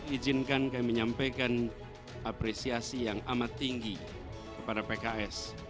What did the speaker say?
ijinkan kami menyampaikan apresiasi yang amat tinggi kepada pks